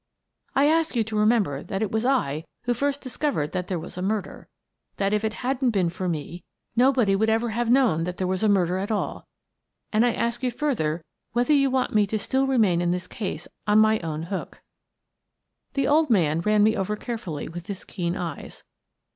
I ask you to remember that it was I who first discovered that there was a murder, — that if it hadn't been for me nobody would ever I Resign 153 have known that there was a murder at all, — and I ask you further whether you want me still to remain in this case on my own hook." The old man ran me over carefully with his keen eyes.